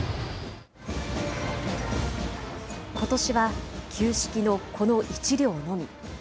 ことしは旧式のこの１両のみ。